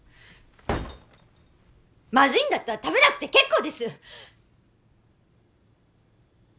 まずいんだったら食べなくて結構です！